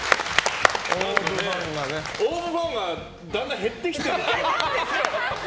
ＯＷＶファンがだんだん減ってきてる。